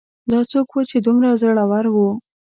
دا څوک و چې دومره زړور و